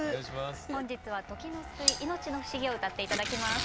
本日は「時の救い命の不思議」を歌って頂きます。